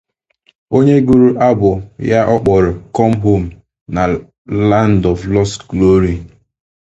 onye gụrụ abụ ya ọ kpọrọ "Come Home" na "Land of Lost Glory"